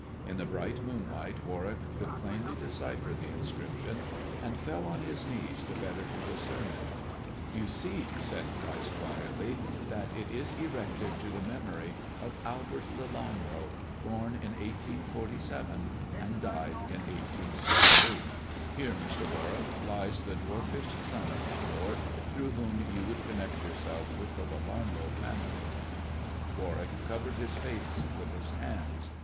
In the bright moonlight Warwick could plainly decipher the inscription, and fell on his knees the better to discern it. "You see,'' said Pryce quietly, "that it is erected to the memory of Albert Lelanro, born in 1847 and died in 1848. Here, Mr. Warwick, lies the dwarfish son of my lord, through whom you would connect yourself with the Lelanro family." Warwick covered his face with his hands.